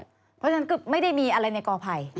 เพราะฉะนั้นก็ไม่ได้มีอะไรในกอภัย